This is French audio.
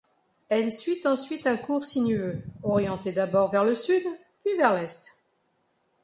Elle suit ensuite un cours sinueux orienté d'abord vers le sud puis vers l'est.